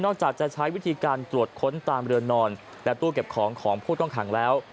จากจะใช้วิธีการตรวจค้นตามเรือนนอนและตู้เก็บของของผู้ต้องขังแล้ว